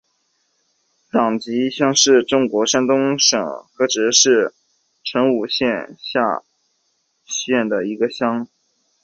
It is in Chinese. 党集乡是中国山东省菏泽市成武县下辖的一个乡。